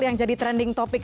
yang jadi trending topic